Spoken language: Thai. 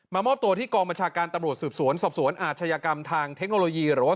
มอบตัวที่กองบัญชาการตำรวจสืบสวนสอบสวนอาชญากรรมทางเทคโนโลยีหรือว่า